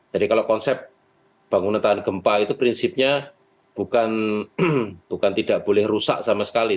jadi kalau konsep bangunan tahan gempa itu prinsipnya bukan tidak boleh rusak sama sekali